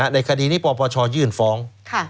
ในคดีนี้ปปชยื่นฟ้อง